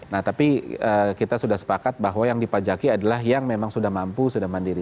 nah tapi kita sudah sepakat bahwa yang dipajaki adalah yang memang sudah mampu sudah mandiri